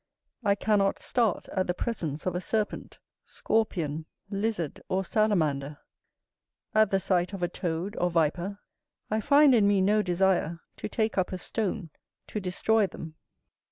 I cannot start at the presence of a serpent, scorpion, lizard, or salamander; at the sight of a toad or viper, I find in me no desire to take up a stone to destroy them.